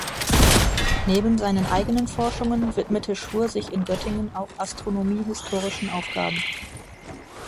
Neben seinen eigenen Forschungen widmete Schur sich in Göttingen auch astronomie-historischen Aufgaben.